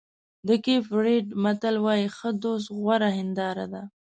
د کېپ ورېډ متل وایي ښه دوست غوره هنداره ده.